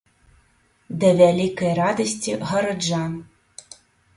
Да вялікай радасці гараджан.